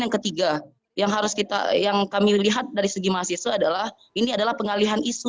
yang ketiga yang harus kita yang kami lihat dari segi mahasiswa adalah ini adalah pengalihan isu